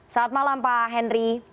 selamat malam pak henry